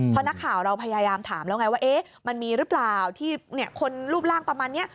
เพราะนักข่าวเราพยายามถามแล้วไงว่ามันมีหรือเปล่าที่คนรูปร่างประมาณนี้